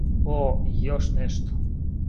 О, и још нешто!